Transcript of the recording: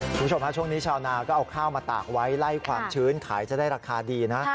คุณผู้ชมฮะช่วงนี้ชาวนาก็เอาข้าวมาตากไว้ไล่ความชื้นขายจะได้ราคาดีนะ